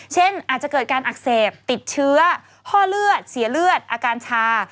เช่นอาจจะเกิดการอักเสบติดเชื้อห้อเลือดเสียเลือดอาการชา